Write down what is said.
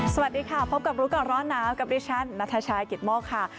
สวัสดีค่ะพบกับรู้ก่อนร้อนหนาวกับดิฉันนัทชายกิตโมกค่ะ